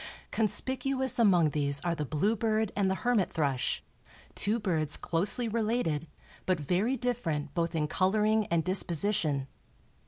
Conspicuous among these are the bluebird and the hermit thrush, two birds closely related, but very different both in coloring and disposition.